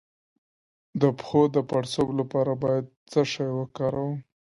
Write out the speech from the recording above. د پښو د پړسوب لپاره باید څه شی وکاروم؟